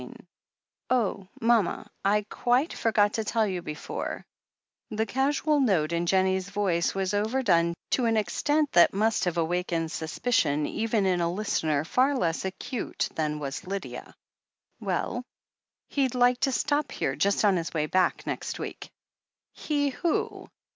XXIV "Oh — ^mama, I quite forgot to tell you before " The casual note in Jennie's voice was overdone to an extent that must have awakened suspicion even in a listener far less acute than was Lydia. "Well?" "He said he'd like to stop here, just on his way back, next week." "He— who?"